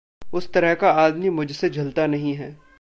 उस तरह का आदमी मुझसे झिलता नहीं है।